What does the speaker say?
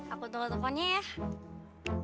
aku tunggu teleponnya ya